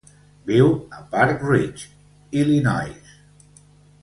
Viu a Park Ridge, Illinois.